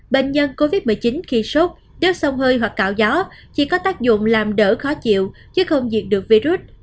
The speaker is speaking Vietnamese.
bệnh nhân covid một mươi chín khi sốc đớt song hơi hoặc cạo gió chỉ có tác dụng làm đỡ khó chịu chứ không diệt được virus